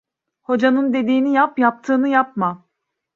Hocanın dediğini yap, yaptığını yapma.